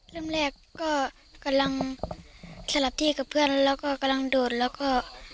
เริ่มแรกก็กำลังสลับที่กับเพื่อนแล้วก็กำลังโดดแล้วก็